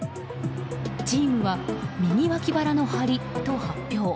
チームは右わき腹の張りと発表。